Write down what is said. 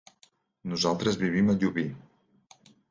Nosaltres vivim a Llubí.